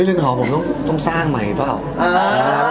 ไปเรียนหอผมต้องสร้างใหม่หรือเปล่า